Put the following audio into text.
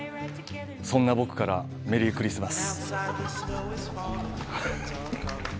そんな僕からメリークリスマス！